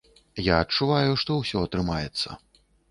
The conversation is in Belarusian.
Я адчуваю, што ўсё атрымаецца.